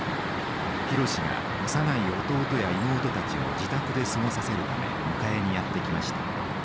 博が幼い弟や妹たちを自宅で過ごさせるため迎えにやって来ました。